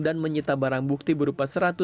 dan menyita barang bukti berupa empat belas kilogram